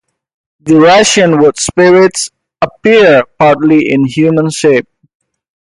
The Russian wood-spirits appear partly in human shape.